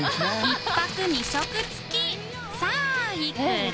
磽映２食付きさぁいくら？